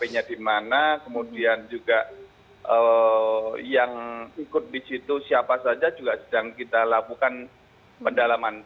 nya di mana kemudian juga yang ikut di situ siapa saja juga sedang kita lakukan pendalaman